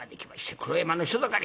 黒山の人だかり。